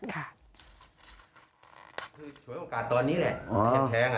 ชวนโอกาสตอนนี้แหละ